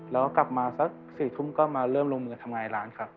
แล้วกลับมาสัก๔ทุ่มก็มาเริ่มลงมือทำงานร้านครับ